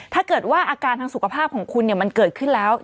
ถ้าเกิดว่าอาการทางสุขภาพของคุณมันเกิดขึ้นแล้ว